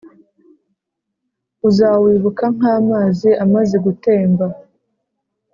uzawibuka nk’amazi amaze gutemba